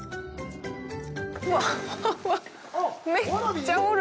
わっ、わっ、めっちゃおる。